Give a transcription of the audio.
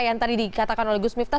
yang tadi dikatakan oleh gus miftah